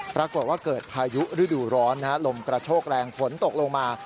ปรากฏว่าเกิดพายุฤดูร้อนลมกระโชกแรงฝนตกลงมา